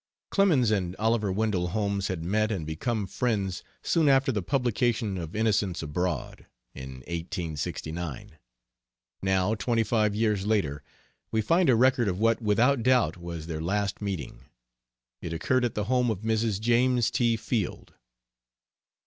Clemens and Oliver Wendell Holmes had met and become friends soon after the publication of Innocents Abroad, in 1869. Now, twenty five years later, we find a record of what without doubt was their last meeting. It occurred at the home of Mrs. James T. Field.